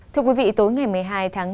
thưa quý vị tối ngày một mươi hai tháng năm